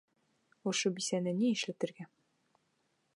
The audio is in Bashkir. Ошо бисәне ни эшләтергә?